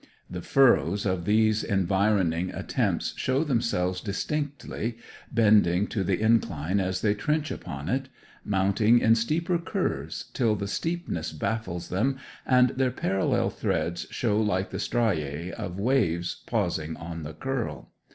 The furrows of these environing attempts show themselves distinctly, bending to the incline as they trench upon it; mounting in steeper curves, till the steepness baffles them, and their parallel threads show like the striae of waves pausing on the curl.